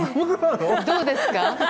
どうですか？